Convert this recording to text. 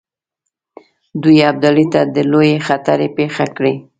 دوی ابدالي ته د لویې خطرې پېښه کړي.